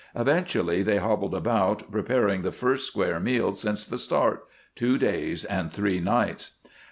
Eventually they hobbled about, preparing the first square meal since the start two days and three nights.